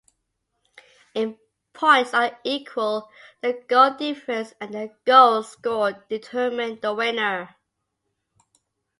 If points are equal, the goal difference and then goals scored determine the winner.